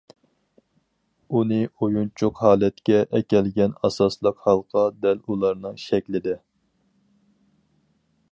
ئۇنى ئويۇنچۇق ھالەتكە ئەكەلگەن ئاساسلىق ھالقا دەل ئۇلارنىڭ شەكلىدە.